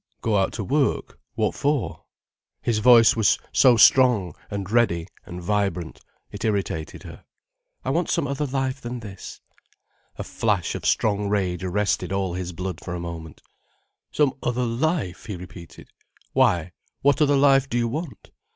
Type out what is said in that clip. "Go out to work, what for?" His voice was so strong, and ready, and vibrant. It irritated her. "I want some other life than this." A flash of strong rage arrested all his blood for a moment. "Some other life?" he repeated. "Why, what other life do you want?"